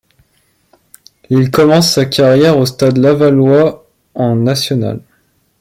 Il commence sa carrière au Stade lavallois en National.